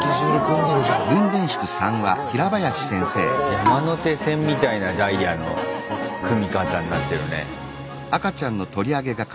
山手線みたいなダイヤの組み方になってるね。